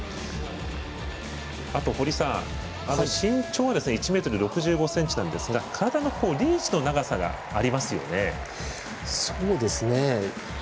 あと、堀さん身長は１ｍ６５ｃｍなんですが体のリーチと長さがありますよね。